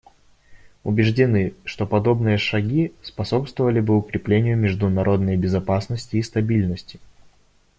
Убеждены, что подобные шаги способствовали бы укреплению международной безопасности и стабильности.